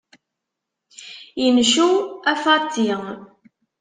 Incew, a Faaṭi!